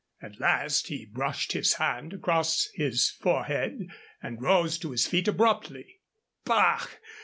At last he brushed his hand across his forehead and rose to his feet abruptly. "Bah!